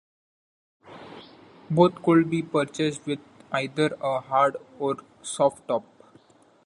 Both could be purchased with either a hard or soft-top.